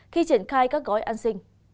khi triển khai các gói an sinh